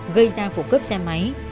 gây ra phụ cướp xe máy